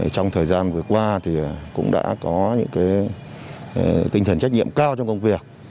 trong thời gian vừa qua thì cũng đã có những cái tinh thần trách nhiệm cao trong công việc